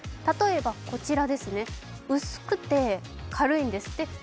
例えば、こちら、薄くて軽いんです。